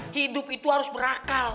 hidup itu harus berakal